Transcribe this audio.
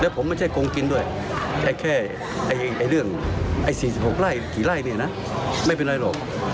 แล้วผมไม่ใช่กรงกินด้วยแค่๔๖รายกี่รายเนี่ยนะไม่เป็นไรหรอก